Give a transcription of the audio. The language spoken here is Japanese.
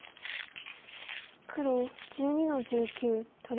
黒１２の十九取り。